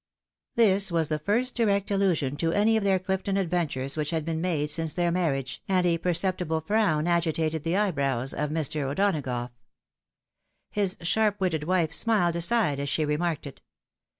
" This was the iirst direct allusion to any of their Clifton adventures which had been made since their marriage, and a perceptible frown agitated the eyebrows of Mr. O'Donagough. His sharp witted wife smiled aside as she remarked it.